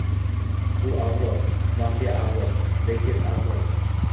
Bu avlod... mafiya avlod, reket avlod.